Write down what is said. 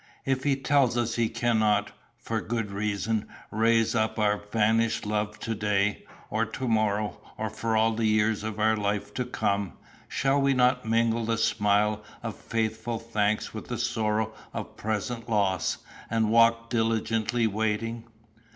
If he tells us he cannot, for good reasons, raise up our vanished love to day, or to morrow, or for all the years of our life to come, shall we not mingle the smile of faithful thanks with the sorrow of present loss, and walk diligently waiting?